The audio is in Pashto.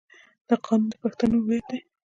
دا قانون د پښتنو هویت دی.